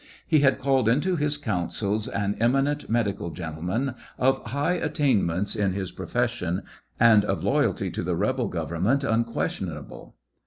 He had called into his counsels an eminent medical gentlemen; of high attainments iu his profession, and of loyalty to the rebel government unquestionable.